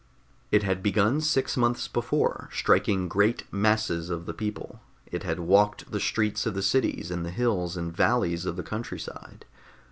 It had begun six months before, striking great masses of the people. It had walked the streets of the cities and the hills and valleys of the countryside.